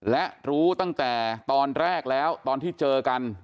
และรู้ตั้งแต่ตอนแรกแล้วตอนที่เจอกัน